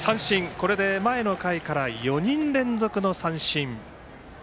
これで前の回から４人連続の三振。